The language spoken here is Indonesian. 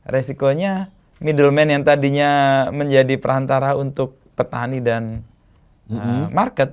resikonya middleman yang tadinya menjadi perantara untuk petani dan market